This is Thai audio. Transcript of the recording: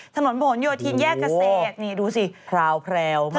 ถนนผนโยธินแยกเกษตรนี่ดูสิพราวแพรวมาก